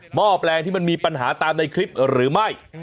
ห้อแปลงที่มันมีปัญหาตามในคลิปหรือไม่